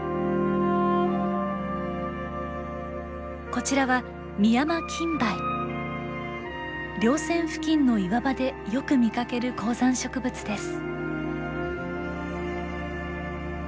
こちらは稜線付近の岩場でよく見かける高山植物です。